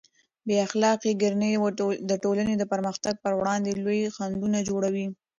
بې اخلاقه کړنې د ټولنې د پرمختګ پر وړاندې لوی خنډونه جوړوي.